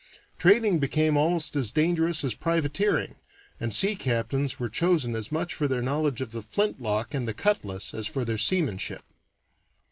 Trading became almost as dangerous as privateering, and sea captains were chosen as much for their knowledge of the flintlock and the cutlass as for their seamanship.